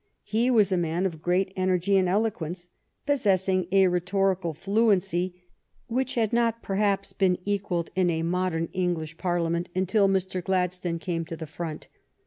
He was a man of great energy and eloquence, possessing a rhetorical flu ency which had not, perhaps, been equalled in a 40 THE STORY OF GLADSTONE'S LIFE modern English Parliament until Mr. Gladstone came to the front.